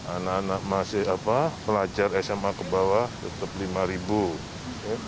anak anak masih pelajar sma ke bawah tetap lima ribu